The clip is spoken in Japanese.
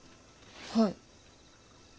はい。